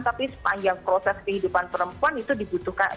tapi sepanjang proses kehidupan perempuan itu dibutuhkan